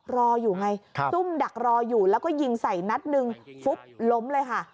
รออยู่ไงซุ่มดักรออยู่แล้วก็ยิงใส่นัดหนึ่งฟุบล้มเลยค่ะ